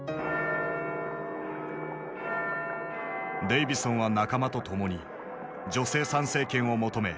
デイヴィソンは仲間と共に女性参政権を求め